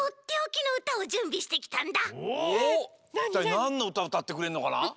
なんのうたうたってくれんのかな？